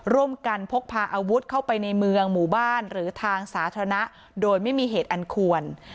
ร่วมกันพกพาอาวุธเข้าไปในเมืองหมู่บ้านหรือทางสาธารณะโดยไม่มีเหตุอันควร